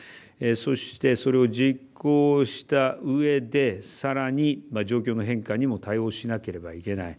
そして、それを実行した上でさらに状況の変化にも対応しなければいけない。